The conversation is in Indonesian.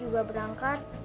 ibu juga berangkat